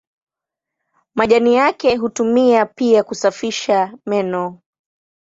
Majani yake hutumika pia kusafisha meno.